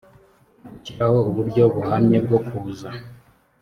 gushyiraho uburyo buhamye bwo kuza